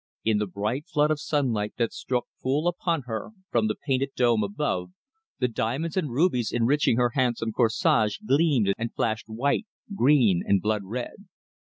In the bright flood of sunlight that struck full upon her from the painted dome above, the diamonds and rubies enriching her handsome corsage gleamed and flashed white, green and blood red.